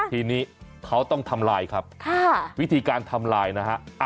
ทีนี้เขาต้องทำลายครับวิธีการทำลายนะฮะ